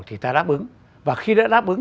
thì ta đáp ứng và khi đã đáp ứng